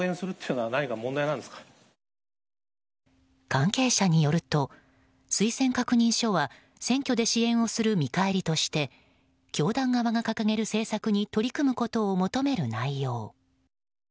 関係者によると、推薦確認書は選挙で支援をする見返りとして教団側が掲げる政策に取り組むことを求める内容。